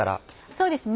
そうですね。